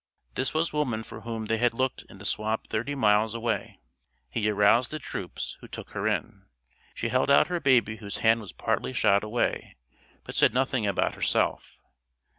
This was woman for whom they had looked in the swamp thirty miles away. He aroused the troops, who took her in. She held out her baby whose hand was partly shot away, but said nothing about herself.